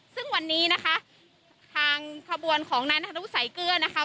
ซึ่งวันนี้นะคะทางขบวนของนายนัทวุสัยเกลือนะคะ